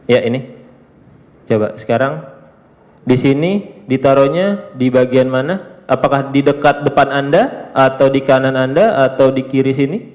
ya ini coba sekarang di sini ditaruhnya di bagian mana apakah di dekat depan anda atau di kanan anda atau di kiri sini